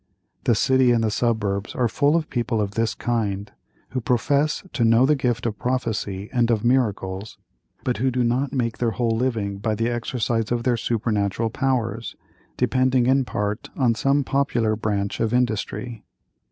The city and the suburbs are full of people of this kind, who profess to know the gift of prophecy and of miracles, but who do not make their whole living by the exercise of their supernatural powers, depending in part on some popular branch of industry.